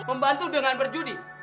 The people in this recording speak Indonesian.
membantu dengan berjudi